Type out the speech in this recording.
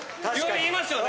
言いますよね？